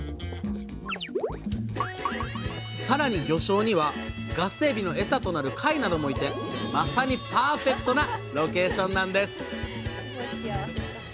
さらに魚礁にはガスエビのエサとなる貝などもいてまさにパーフェクトなロケーションなんです！